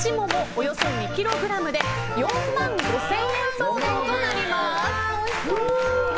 およそ２ｋｇで４万５０００円相当となります。